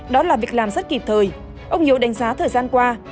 đó là việc làm rất kịp thời ông hiếu đánh giá thời gian qua